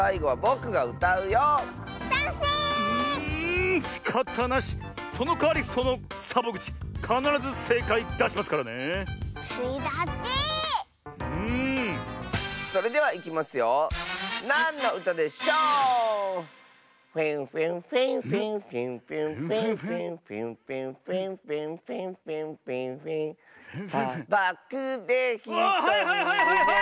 あはいはいはい！